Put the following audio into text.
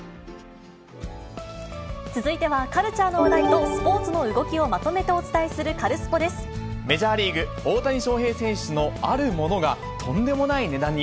続いては、カルチャーの話題とスポーツの動きをまとめてお伝えするカルスポメジャーリーグ、大谷翔平選手のあるものが、とんでもない値段に。